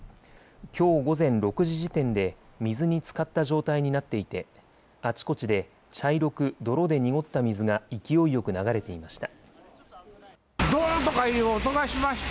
きょう午前６時時点で水につかった状態になっていてあちこちで茶色く泥で濁った水が勢いよく流れていました。